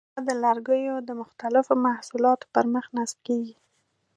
هغه د لرګیو د مختلفو محصولاتو پر مخ نصب کېږي.